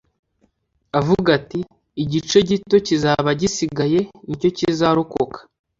avuga ati, “Igice gito kizaba gisigaye ni cyo kizarokoka.”